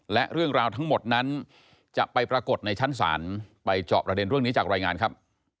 และเรื่องราวทั้งหมดนั้นจะไปปรากฏในชั้นศาลไปเจาะประเด็นเรื่องนี้จากรายงานครับ